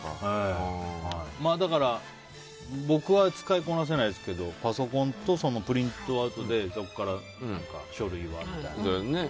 だから、僕は使いこなせないですけどパソコンとプリントアウトでそこから書類はとか。